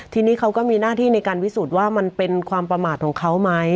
ทีนี้เขาก็มีหน้าที่ในการวิสูจนว่ามันเป็นความประมาทของเขาไหม